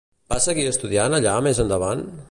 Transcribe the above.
Va seguir estudiant allà més endavant?